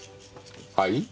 はい？